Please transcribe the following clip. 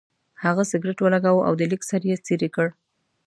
هغه سګرټ ولګاوه او د لیک سر یې څېرې کړ.